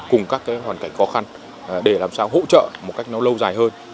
cùng các hoàn cảnh khó khăn để làm sao hỗ trợ một cách nó lâu dài hơn